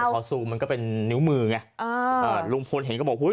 แต่พอซูมมันก็เป็นนิ้วมือไงอ่าลุงพลเห็นก็บอกอุ้ย